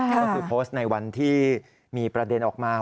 ก็คือโพสต์ในวันที่มีประเด็นออกมา